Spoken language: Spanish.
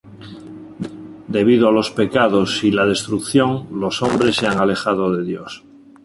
Debido a los pecados y la destrucción, los hombres se han alejado de Dios.